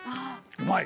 うまい？